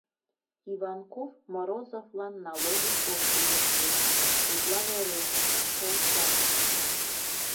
Иванков Морозовлан налогым ок тӱлыктӧ, тудлан эре. полша.